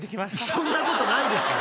そんなことないですよ